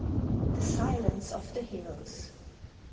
213 THE SILENCE OF THE HILLS.